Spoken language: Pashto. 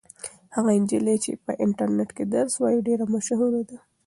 هغه نجلۍ چې په انټرنيټ کې درس وایي ډېره مشهوره ده.